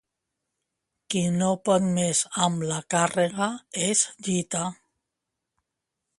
Qui no pot més amb la càrrega, es gita.